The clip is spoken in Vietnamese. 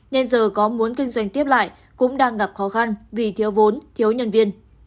nên giờ có muốn kinh doanh tiếp lại cũng đang gặp khó khăn vì thiếu vốn thiếu nhân viên